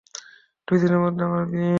দুইদিনের মধ্যে আমার বিয়ে।